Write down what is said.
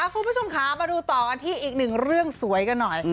คุณผู้ชมค่ะมาดูต่อกันที่อีกหนึ่งเรื่องสวยกันหน่อย